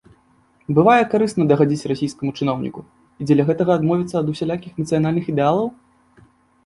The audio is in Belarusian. Бывае карысна дагадзіць расійскаму чыноўніку, і дзеля гэтага адмовіцца ад усялякіх нацыянальных ідэалаў?